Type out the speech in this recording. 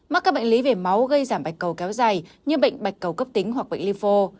mắc các bệnh lý về máu gây giảm bạch cầu kéo dài như bệnh bạch cầu cấp tính hoặc bệnh lifo